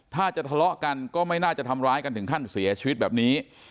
ถ้าจะทะเลาะกันก็ไม่น่าจะทำร้ายกันถึงขั้นเสียชีวิตแบบนี้